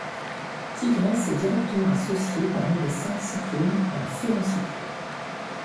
Tigresse est directement associée, parmi les cinq cyclones, à la férocité.